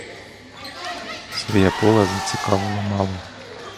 Своє поле цікавило мало.